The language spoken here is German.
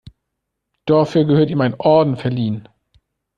Dafür gehört ihm ein Orden verliehen.